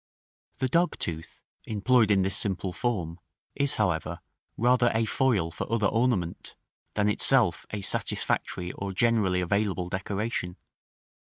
§ VI. The dogtooth, employed in this simple form, is, however, rather a foil for other ornament, than itself a satisfactory or generally available decoration.